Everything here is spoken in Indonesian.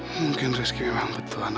mungkin rizky memang betul anak ayahnya